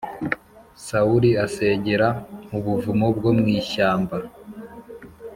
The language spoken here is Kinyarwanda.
Sawuli asegera mu buvumo bwo mw’ ishyamba